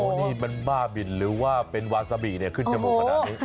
นี่มันบ้าบินหรือว่าเป็นวาซาบีเนี่ยขึ้นจมูกขนาดนี้